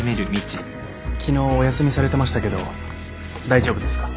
昨日お休みされてましたけど大丈夫ですか？